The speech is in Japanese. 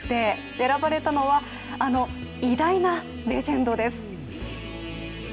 選ばれたのは、あの偉大なレジェンドです。